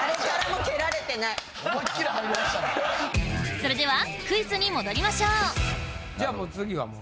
それではクイズに戻りましょうじゃあもう。